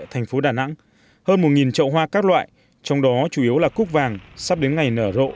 thành phố đà nẵng hơn một trậu hoa các loại trong đó chủ yếu là cúc vàng sắp đến ngày nở rộ